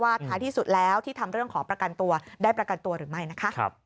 ท้ายที่สุดแล้วที่ทำเรื่องขอประกันตัวได้ประกันตัวหรือไม่นะคะ